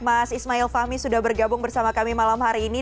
mas ismail fahmi sudah bergabung bersama kami malam hari ini